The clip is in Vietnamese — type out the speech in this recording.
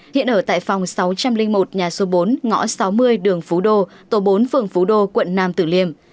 hiện ở tại phòng sáu trăm linh một nhà số bốn ngõ sáu mươi đường phú đô tổ bốn phường phú đô quận nam tử liêm